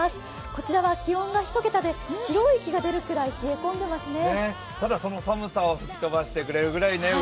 こちらは気温が１桁で白い息が出るくらい冷え込んでいますね。